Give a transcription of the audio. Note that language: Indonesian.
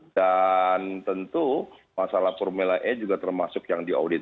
dan tentu masalah formula e juga termasuk yang diaudit